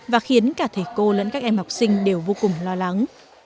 và khiến cả thầy cô lẫn các em học sinh đều vô cùng lo lắng